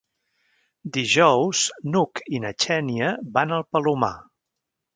Dijous n'Hug i na Xènia van al Palomar.